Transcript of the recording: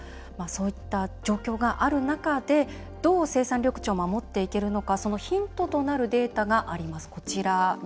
そういった状況がある中でどう生産緑地を守っていけるのかそのヒントとなるデータがあります。